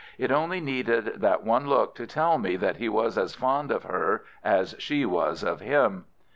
It only needed that one look to tell me that he was as fond of her as she was of him.